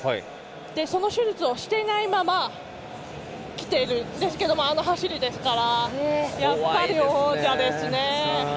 その手術をしていないままきているんですけどもあの走りですからやっぱり王者ですね。